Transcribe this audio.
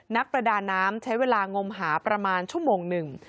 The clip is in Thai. นักประดาน้ำใช้เวลางมหาประมาณชั่วโมงหนึ่ง